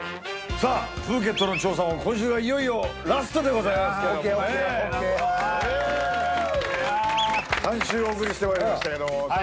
さあプーケットの調査も今週がいよいよラストでございますけどもね３週お送りしてまいりましたけどもさあ